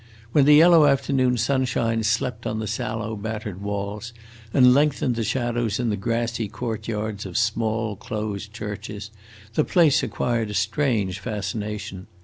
When the yellow afternoon sunshine slept on the sallow, battered walls, and lengthened the shadows in the grassy courtyards of small closed churches, the place acquired a strange fascination.